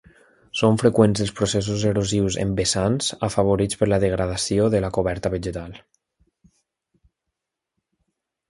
Són freqüents els processos erosius en vessants, afavorits per la degradació de la coberta vegetal.